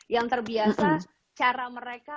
yang terbiasa cara mereka